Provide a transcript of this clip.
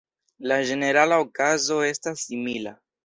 La ĝenerala okazo estas simila.